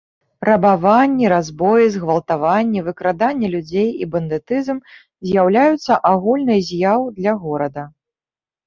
Рабаванні, разбоі, згвалтаванні, выкраданне людзей і бандытызм з'яўляюцца агульнай з'яў для горада.